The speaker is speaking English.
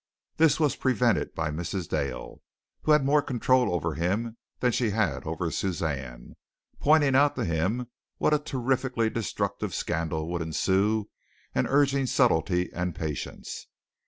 This was prevented by Mrs. Dale, who had more control over him than she had over Suzanne, pointing out to him what a terrifically destructive scandal would ensue and urging subtlety and patience.